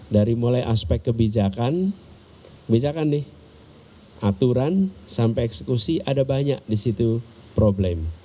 dari mulai aspek kebijakan misalkan nih aturan sampai eksekusi ada banyak di situ problem